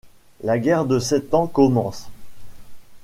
La guerre de Sept Ans commence.